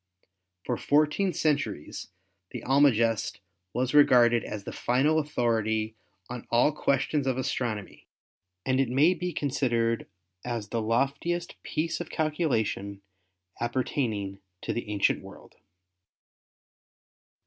For fourteen centuries the Almagest was regarded as the final authority on all ques tions of astronomy and it may be considered as the loftiest piece of calculation appertaining to the Ancient World.